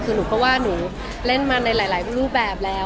คือหนูก็ว่าหนูเล่นมาในหลายรูปแบบแล้ว